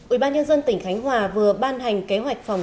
ubnd tỉnh khánh hòa vừa ban hành kế hoạch phòng